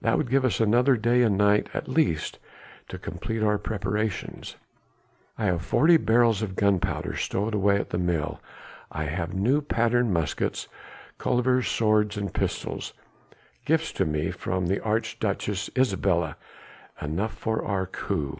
That would give us another day and night at least to complete our preparations. I have forty barrels of gunpowder stowed away at the mill, I have new pattern muskets, cullivers, swords and pistols ... gifts to me from the Archduchess Isabella ... enough for our coup....